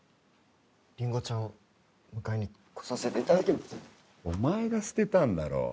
りんごちゃんを迎えに来させていただきお前が捨てたんだろ？